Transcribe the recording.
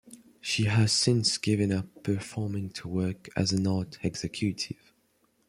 She has since given up performing to work as an arts executive.